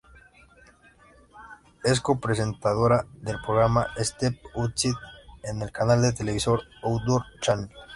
Es copresentadora del programa "Step Outside" en el canal de televisión Outdoor Channel.